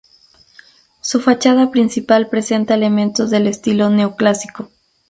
Su fachada principal presenta elementos del estilo Neoclásico.